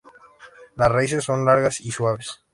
Las raíces son largas y suaves.